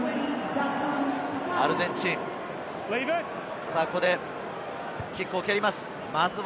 アルゼンチン、ここでキックを蹴ります。